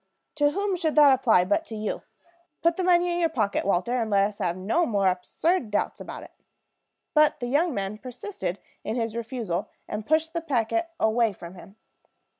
To whom should that apply but to you? Put the money in your pocket, Walter, and let us have no more absurd doubts about it." But the young man persisted in his refusal, and pushed the packet away from him.